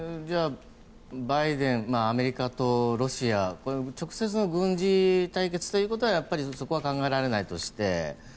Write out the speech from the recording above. アメリカとロシア直接の軍事対決ということはそこは考えられないとして。